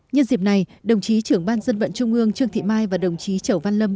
nhân dịp này đồng chí trưởng ban dân vận trung ương trương thị mai và đồng chí chẩu văn lâm